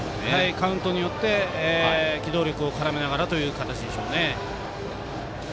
カウントによって機動力を絡めながらという形でしょうね。